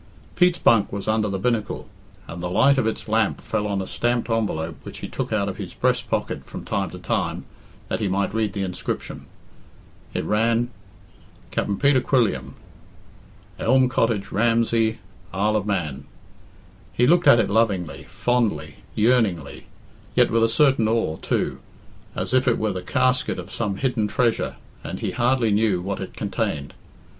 Pete's bunk was under the binnacle, and the light of its lamp fell on a stamped envelope which he took out of his breast pocket from time to time that he might read the inscription. It ran Capn Peatr Quilliam, Lm Cottig Ramsey I O Man. He looked at it lovingly, fondly, yearningly, yet with a certain awe, too, as if it were the casket of some hidden treasure, and he hardly knew what it contained.